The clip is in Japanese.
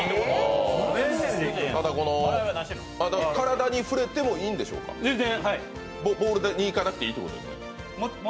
ただ体に触れてもいいんでしょうか、ボールにいかなくてもいいという？